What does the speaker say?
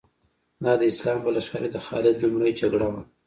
دا د اسلام په لښکر کې د خالد لومړۍ جګړه وه.